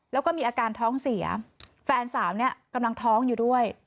แล้วก็มีอาการท้องเสียแฟนสาวเนี่ยกำลังท้องอยู่ด้วย